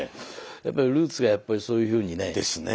やっぱりルーツがやっぱりそういうふうにね。ですね。